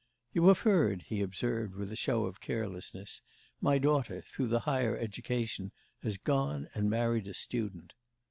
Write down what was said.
'You have heard,' he observed with a show of carelessness, 'my daughter, through the higher education, has gone and married a student.